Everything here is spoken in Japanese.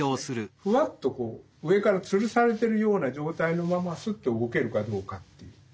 フワッとこう上からつるされてるような状態のままスッと動けるかどうかという。